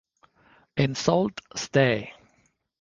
In Sault Ste.